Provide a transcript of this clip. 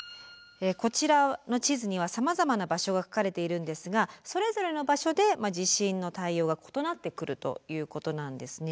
こちらの地図にはさまざまな場所が書かれているんですがそれぞれの場所で地震の対応が異なってくるということなんですね。